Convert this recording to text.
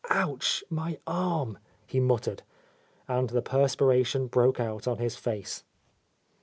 "Ouch, my arm!" he muttered, and the perspiration broke out on his face.